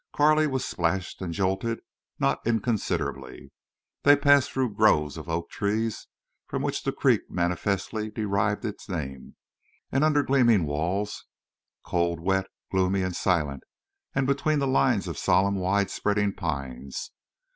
Carley was splashed and jolted not inconsiderably. They passed through groves of oak trees, from which the creek manifestly derived its name; and under gleaming walls, cold, wet, gloomy, and silent; and between lines of solemn wide spreading pines.